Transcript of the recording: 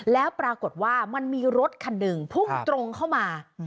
แล้วปรากฏว่ามันมีรถคันหนึ่งพุ่งตรงเข้ามา